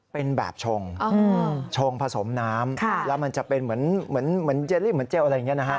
เป็นแบบชงชงผสมน้ำแล้วมันจะเป็นเหมือนเยลลี่เหมือนเจลอะไรอย่างนี้นะฮะ